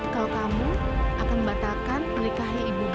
kalau kamu akan batalkan menikahi ibumu